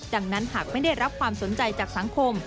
ดังนั้นหากไม่ได้รับความสนใจจากสังคม